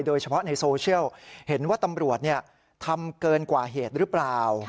โดยเฉพาะในโซเชียลเห็นว่าตำรวจทำเกินกว่าเหตุหรือเปล่า